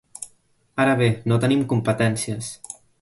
Ara bé, no tenim competències.